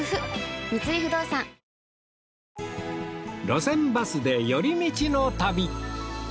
『路線バスで寄り道の旅』